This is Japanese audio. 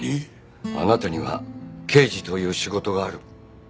あなたには刑事という仕事がある。